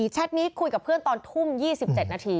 แท็ตนี้คุยกับเพื่อนตอนทุ่ม๒๗นาที